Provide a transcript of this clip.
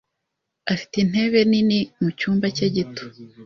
Afite intebe nini mucyumba cye gito .